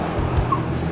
gak ada yang mau ngomong